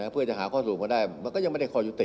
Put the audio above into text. เพื่อจะหาข้อสรุปก็ได้มันก็ยังไม่ได้คอยุติ